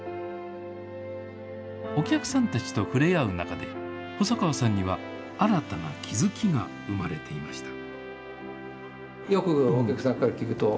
お客さんたちと触れ合う中で、細川さんには新たな気付きが生まれていました。